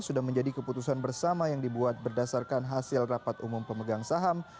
sudah menjadi keputusan bersama yang dibuat berdasarkan hasil rapat umum pemegang saham